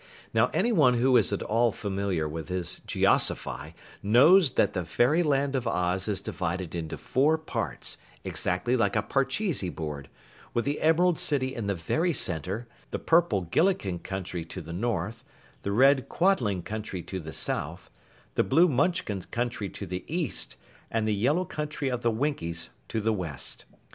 Now anyone who is at all familiar with his geozify knows that the Fairyland of Oz is divided into four parts, exactly like a parchesi board, with the Emerald City in the very center, the purple Gillikin Country to the north, the red Quadling Country to the south, the blue Munchkin Country to the east, and the yellow Country of the Winkies to the west.